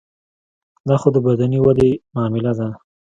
دا خو د بدني ودې معامله ده.